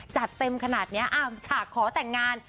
จัดเต็มขนาดนี้ฉากขอแต่งงาน